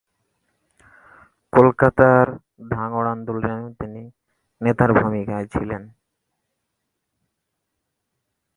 কলকাতার ধাঙড় আন্দোলনেও তিনি নেতার ভূমিকায় ছিলেন।